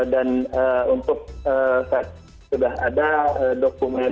dan untuk fed sudah ada dokumen